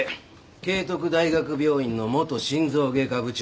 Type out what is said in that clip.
慶徳大学病院の元心臓外科部長。